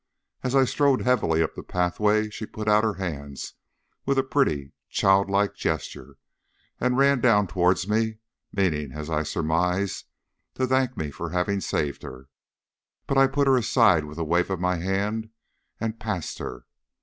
As I strode heavily up the pathway, she put out her hands with a pretty child like gesture, and ran down towards me, meaning, as I surmise, to thank me for having saved her, but I put her aside with a wave of my hand and passed her.